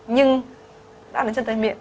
nhưng đã đến chân tay miệng